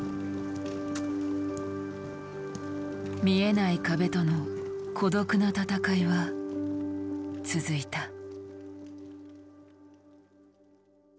見えない壁との孤独な闘いは続いた。